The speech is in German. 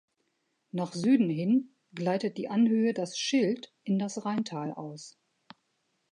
Nach Süden hin gleitet die Anhöhe, das „Schild“, in das Rheintal aus.